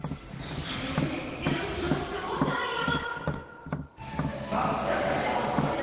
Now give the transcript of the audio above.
果たして家主の正体は？